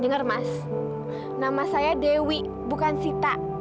dengar mas nama saya dewi bukan sita